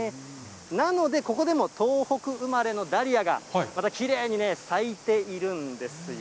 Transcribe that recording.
なので、ここでも東北生まれのダリアが、またきれいに咲いているんですよ。